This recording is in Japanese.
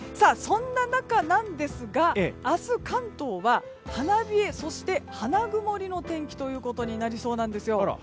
そんな中なんですが明日、関東は花冷え、そして花曇りの天気ということになりそうなんです。